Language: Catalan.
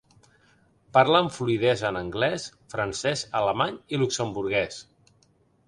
Parla amb fluïdesa en anglès, francès, alemany i luxemburguès.